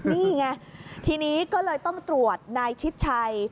นี่ไงทีนี้ก็เลยต้องตรวจนายชิดชัย